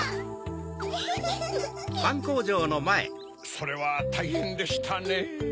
それはたいへんでしたねぇ。